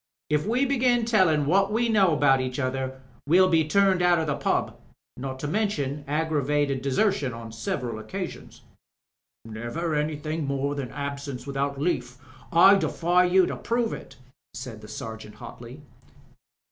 If we begin tellin' what we know about each other we'll be turned out of the pub. Not to mention aggravated desertion on several occasions " "Never anything more than absence without leaf— ^ I defy you to prove it," said the Sergeant hotly.